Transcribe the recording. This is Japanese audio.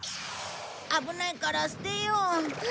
危ないから捨てよう。